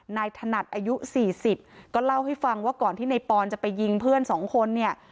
นายถนัดอายุ๔๐ก็เล่าให้ฟังว่าก่อนที่นายปอนจะไปยิงเพื่อน๒คนเนี่ย